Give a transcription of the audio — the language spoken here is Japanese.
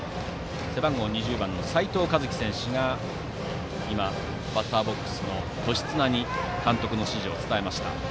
背番号２０番の齊藤和輝選手がバッターボックスの年綱に監督の指示を伝えました。